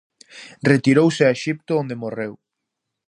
Retirouse a Exipto, onde morreu.